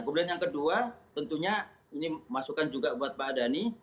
kemudian yang kedua tentunya ini masukan juga buat pak adani